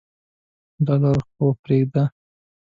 ډالر خو پریږده.